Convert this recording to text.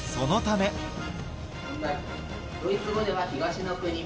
問題ドイツ語では東の国。